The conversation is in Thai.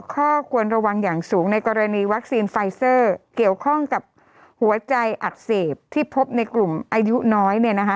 ข้อควรระวังอย่างสูงในกรณีวัคซีนไฟเซอร์เกี่ยวข้องกับหัวใจอักเสบที่พบในกลุ่มอายุน้อย